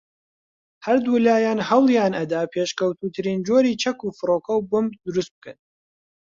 ھەردوولایان ھەوڵیان ئەدا پێشکەوتووترین جۆری چەک و فڕۆکەو بۆمب دروست بکەن